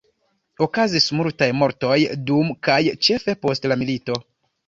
Okazis multaj mortoj dum kaj ĉefe post la milito.